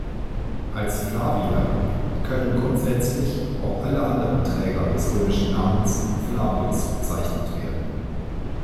Als Flavier können grundsätzlich auch alle anderen Träger des römischen Namens Flavius bezeichnet werden.